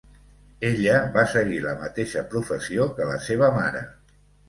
Ella va seguir la mateixa professió que la seva mare.